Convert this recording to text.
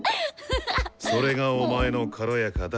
それがお前の「軽やか」だ。